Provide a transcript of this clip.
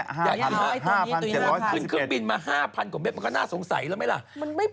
ขึ้นเครื่องบินมา๕๐๐๐กว่าเม็ดมันก็น่าสงสัยแล้วไหมล่ะ